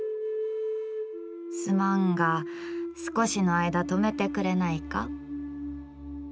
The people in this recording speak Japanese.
「すまんが少しの間泊めてくれないか。」